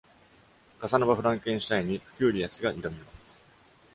カサノバ・フランケンシュタインにフューリアスが挑みます。